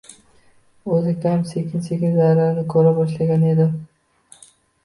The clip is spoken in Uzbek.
O'zi ham sekin-sekin zararini ko'ra boshlagan edi.